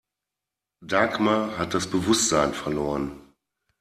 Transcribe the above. Dagmar hat das Bewusstsein verloren.